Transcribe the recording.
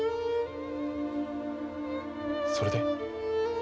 それで？